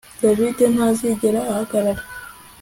David ntazigera ahagarara